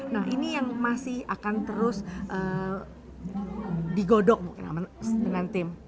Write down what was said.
nah ini yang masih akan terus digodok mungkin dengan tim